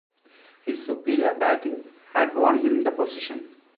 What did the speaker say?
His superior batting had won him the position.